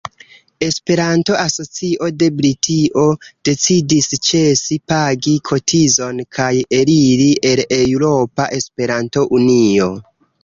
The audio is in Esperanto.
Esperanto-Asocio de Britio decidis ĉesi pagi kotizon kaj eliri el Eŭropa Esperanto-Unio.